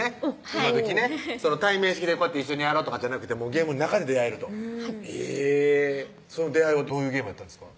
今時ね対面式で一緒にやろうとかじゃなくてゲームの中で出会えるとはいその出会いはどういうゲームやったんですか？